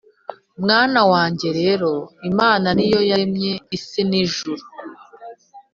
mwana wanjye rero imana ni yo yaremye isi n’ijuru